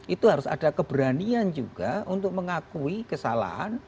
itu harus ada keberanian juga untuk mengakui kesalahan